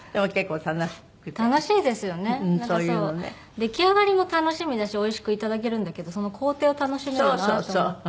出来上がりも楽しみだしおいしくいただけるんだけどその工程を楽しめるなと思って。